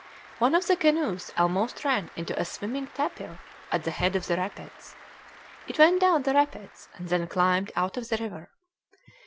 One of the canoes almost ran into a swimming tapir at the head of the rapids; it went down the rapids, and then climbed out of the river.